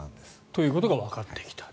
ということがわかってきた。